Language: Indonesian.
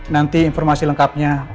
nanti informasi lengkapnya